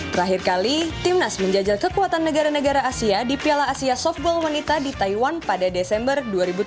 terakhir kali timnas menjajal kekuatan negara negara asia di piala asia softball wanita di taiwan pada desember dua ribu tujuh belas